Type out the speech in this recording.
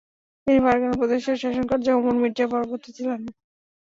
তিনি ফারগানা প্রদেশের শাসনকর্তা ওমর মির্জার বড় পুত্র ছিলেন।